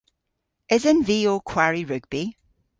Esen vy ow kwari rugbi?